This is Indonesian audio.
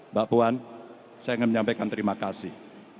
mbak puan saya ingin menyampaikan terima kasih